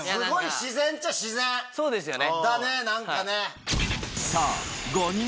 そうですよね。